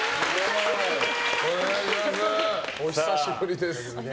お久しぶりです！